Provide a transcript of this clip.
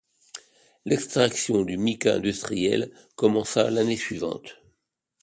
L'extraction du mica industriel commença l'année suivante.